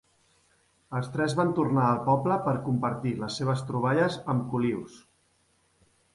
Els tres van tornar al poble per compartir les seves troballes amb Colyus.